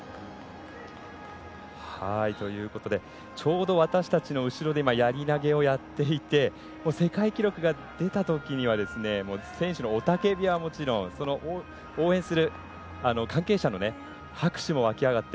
ちょうど、私たちの後ろでやり投げをやっていて世界記録が出たときには選手の雄たけびはもちろんその応援する関係者の拍手もわきあがって。